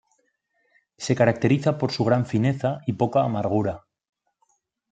Se caracteriza por su gran fineza y poca amargura.